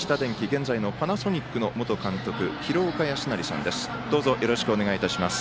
現在のパナソニックの元監督・廣岡資生さんです。